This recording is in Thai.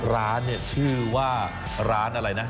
ร้านชื่อว่าร้านอะไรนะ